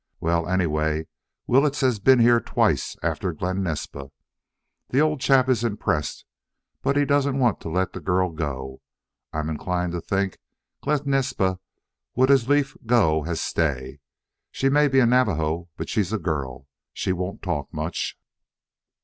Well, anyway, Willetts has been here twice after Glen Naspa. The old chap is impressed, but he doesn't want to let the girl go. I'm inclined to think Glen Naspa would as lief go as stay. She may be a Navajo, but she's a girl. She won't talk much."